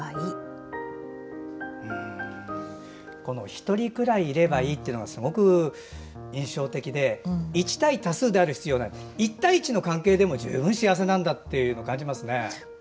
一人くらいいればいいというのがすごく印象的で１対多数である必要がない１対１の関係でも十分幸せなんだと感じますね。